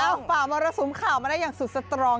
เอ้าฝากมารักษุมข่าวมาได้อย่างสุดสตรอง